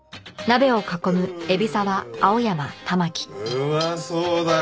うまそうだろ。